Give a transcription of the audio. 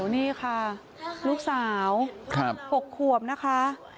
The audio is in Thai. นี่ค่ะลูกสาว๖ขวบนะคะ